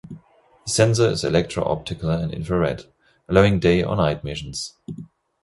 The sensor is electro-optical and infrared, allowing day or night missions.